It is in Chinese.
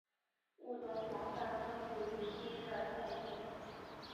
物种广泛分布于新热带界。